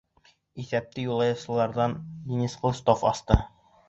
Иҫәпте юлаевсыларҙан Денис Хлыстов асты.